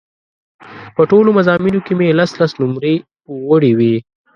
په ټولو مضامینو کې مې لس لس نومرې وړې وې.